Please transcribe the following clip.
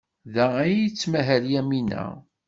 Da ay tettmahal Yamina?